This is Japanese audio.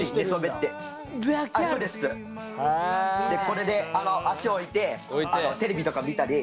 これで足置いてテレビとか見たり。